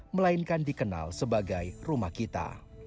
melainkan dikenal sebagai rumah kita